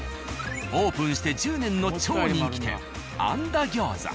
オープンして１０年の超人気店「按田餃子」。